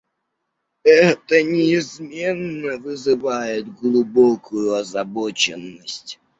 Это неизменно вызывает глубокую озабоченность.